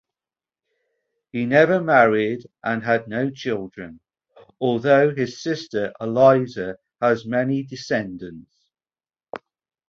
He never married and had no children, although his sister Eliza has many descendants.